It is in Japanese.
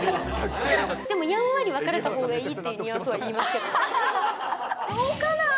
でもやんわり別れたほうがいいっていうニュアンスは言いますけどね。